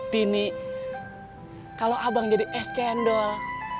dini kalau abang jadi es cendol